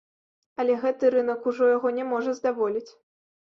Але гэты рынак ужо яго не можа здаволіць.